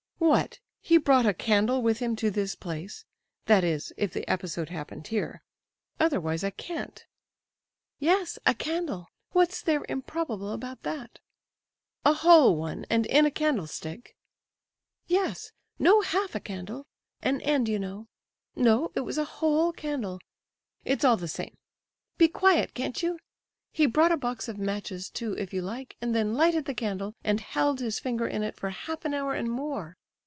"What! he brought a candle with him to this place? That is, if the episode happened here; otherwise I can't." "Yes, a candle! What's there improbable about that?" "A whole one, and in a candlestick?" "Yes—no—half a candle—an end, you know—no, it was a whole candle; it's all the same. Be quiet, can't you! He brought a box of matches too, if you like, and then lighted the candle and held his finger in it for half an hour and more!